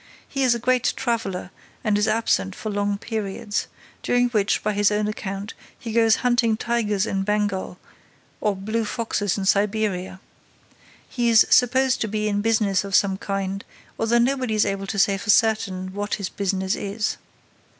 He is a great traveler and is absent for long periods, during which, by his own account, he goes hunting tigers in Bengal or blue foxes in Siberia. He is supposed to be in business of some kind, although nobody is able to say for certain what his business is.